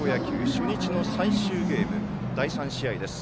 初日の最終ゲーム、第３試合です。